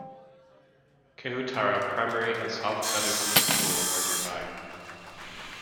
Kahutara Primary and South Featherston School are nearby.